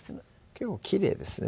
結構きれいですね